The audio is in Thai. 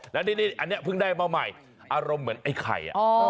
แล้วนี่อันนี้เพิ่งได้มาใหม่อารมณ์เหมือนไอ้ไข่